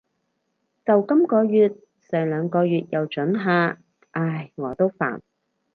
就今个月，上兩個月又准下。唉，我都煩